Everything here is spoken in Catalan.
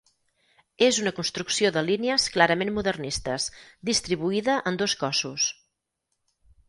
És una construcció de línies clarament modernistes, distribuïda en dos cossos.